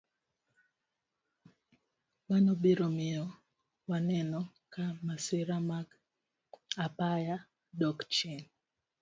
Mano biro miyo waneno ka masira mag apaya dok chien.